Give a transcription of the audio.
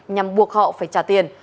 nhằm buộc họ phải trả tiền